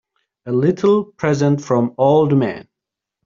A little present from old man.